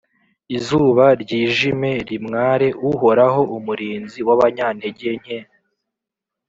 izuba ryijime, rimware, Uhoraho, umurinzi w’abanyantegenke